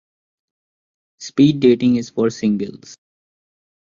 Speed dating is for singles.